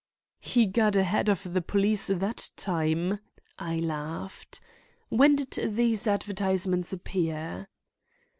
"He got ahead of the police that time," I laughed. "When did these advertisements appear?"